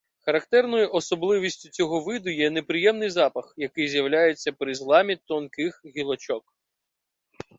Характерною особливістю цього виду є неприємний запах, який з'являється при зламі тонких гілочок.